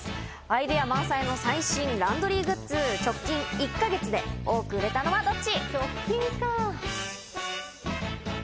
アイデア満載の最新ランドリーグッズ、直近１か月で多く売れたのはどっち？